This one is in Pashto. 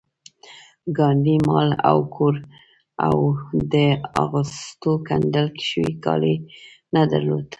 ګاندي مال او کور او د اغوستو ګنډل شوي کالي نه درلودل